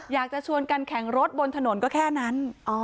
อยากจะชวนกันแข่งรถบนถนนก็แค่นั้น